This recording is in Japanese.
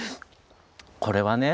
これはね